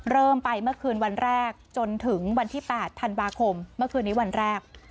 เริ่มไปเมื่อคืนวันแรกจนถึงวันที่๘ธันวาคมเมื่อคืนนี้วันแรก